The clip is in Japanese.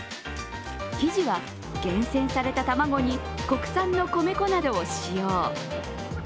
生地は厳選された卵に国産の米粉などを使用。